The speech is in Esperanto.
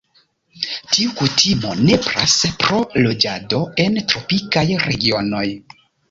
Tiu kutimo nepras pro loĝado en tropikaj regionoj.